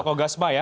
ketua kogasma ya